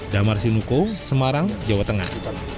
damar sinuko semarang jawa tengah